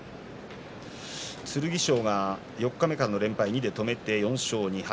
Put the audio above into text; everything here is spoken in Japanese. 剣翔が四日目からの連敗を２で止めて４勝２敗。